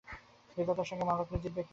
বিধাতার সঙ্গে মামলা করে জিতবে কে?